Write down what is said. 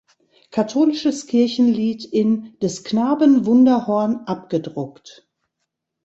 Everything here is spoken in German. Katholisches Kirchenlied“ in "Des Knaben Wunderhorn" abgedruckt.